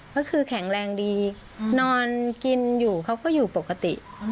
ก็คือแข็งแรงดีนอนกินอยู่เขาก็อยู่ปกติ